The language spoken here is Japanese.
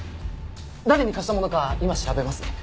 誰に貸したものか今調べますね。